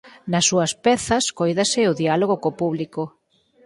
Nas súas pezas cóidase o diálogo co público.